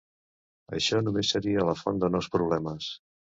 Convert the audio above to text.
Això només seria la font de nous problemes.